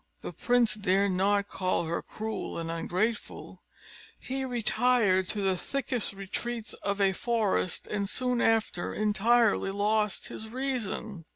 The prince dared not call her cruel and ungrateful: he retired to the thickest retreats of a forest, and soon after entirely lost his reason.